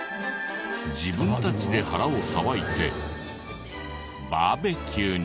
自分たちで腹をさばいてバーベキューに。